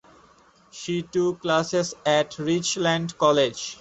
She took classes at Richland College.